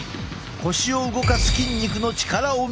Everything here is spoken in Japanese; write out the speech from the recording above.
腰を動かす筋肉の力を見てみよう。